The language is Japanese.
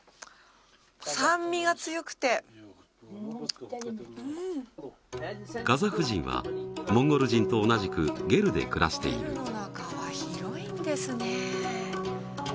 酸味が強くてカザフ人はモンゴル人と同じくゲルで暮らしているゲルの中は広いんですね